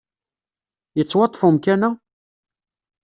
Yettwaṭṭef umkan-a?